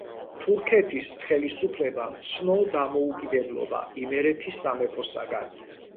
თურქეთის ხელისუფლებამ ცნო დამოუკიდებლობა იმერეთის სამეფოსაგან.